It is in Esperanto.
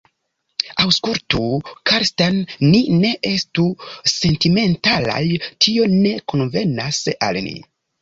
Aŭskultu, Karsten, ni ne estu sentimentalaj; tio ne konvenas al ni.